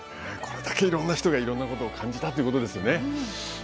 これだけいろんな人がいろんなことを感じたということですね。